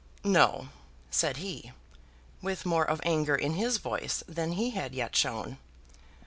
"No," said he, with more of anger in his voice than he had yet shown.